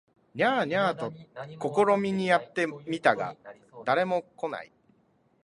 ニャー、ニャーと試みにやって見たが誰も来ない